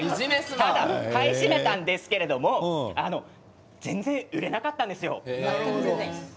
買い占めたんですけれど全然、売れなかったんですよ。